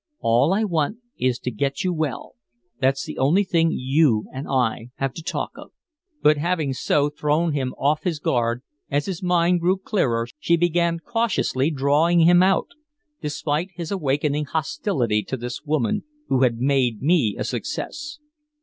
All I want is to get you well. That's the only thing you and I have to talk of." But having so thrown him off his guard, as his mind grew clearer she began cautiously drawing him out, despite his awakening hostility to this woman who had made me a success.